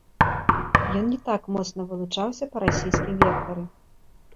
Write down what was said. Ён не так моцна вылучаўся па расійскім вектары.